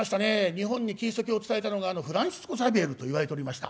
日本にキリスト教を伝えたのがあのフランシスコ・ザビエルといわれておりました。